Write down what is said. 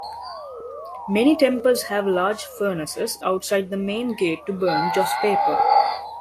Many temples have large furnaces outside the main gate to burn joss paper.